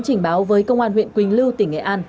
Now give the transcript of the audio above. trình báo với công an huyện quỳnh lưu tỉnh nghệ an